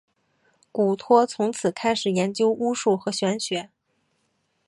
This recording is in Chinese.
古托从此开始研究巫术和玄学。